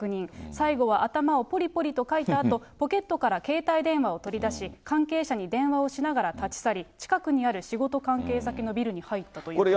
最後は頭をぽりぽりとかいたあと、ポケットから携帯電話を取り出し、関係者に電話をしながら立ち去り、近くにある仕事関係先のビルに入ったということです。